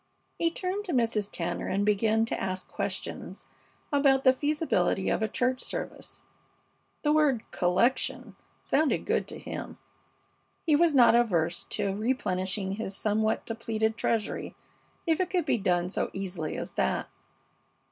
He turned to Mrs. Tanner and began to ask questions about the feasibility of a church service. The word "collection" sounded good to him. He was not averse to replenishing his somewhat depleted treasury if it could be done so easily as that.